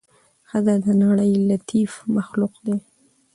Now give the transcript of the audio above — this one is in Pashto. ښځه د نړۍ لطيف مخلوق دې